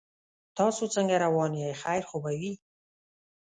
تاسو څنګه روان یې خیر خو به وي